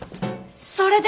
それです！